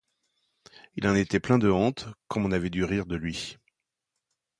Il en était plein de honte, comme on avait dû rire de lui!